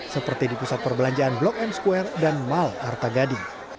seperti di pusat perbelanjaan blok m square dan mal arta gading